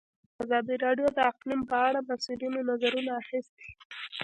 ازادي راډیو د اقلیم په اړه د مسؤلینو نظرونه اخیستي.